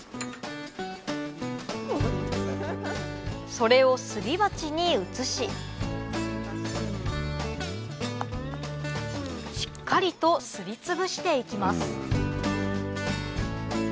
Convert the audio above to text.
それをすり鉢に移ししっかりとすりつぶして行きます